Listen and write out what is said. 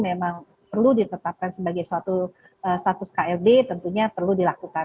kalau memang kasusnya itu memang perlu ditetapkan sebagai suatu status klb tentunya perlu dilakukan